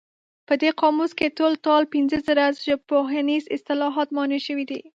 په دې قاموس کې ټول ټال پنځه زره ژبپوهنیز اصطلاحات مانا شوي دي.